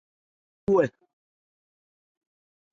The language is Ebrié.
Bí Yayó wu ɛ ?